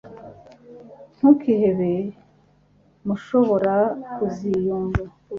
ntukihebe, mushobora kuziyunga